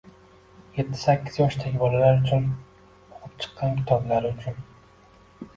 yetti- sakkiz yoshdagi bolalar uchun o‘qib chiqqan kitoblari uchun.